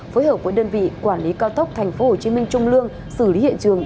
phối hợp với đơn vị quản lý cao tốc tp hcm trung lương xử lý hiện trường